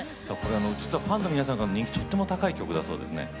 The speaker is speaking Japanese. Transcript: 実はファンの皆さんからの人気とっても高い曲だそうですね。